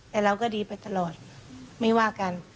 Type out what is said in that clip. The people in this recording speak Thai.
แต่เราก็ดีไปตลอดไม่ว่ากัน